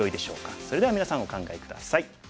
それではみなさんお考え下さい。